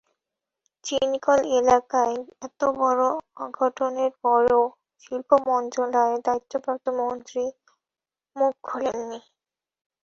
চিনিকল এলাকায় এত বড় অঘটনের পরও শিল্প মন্ত্রণালয়ের দায়িত্বপ্রাপ্ত মন্ত্রী মুখ খোলেননি।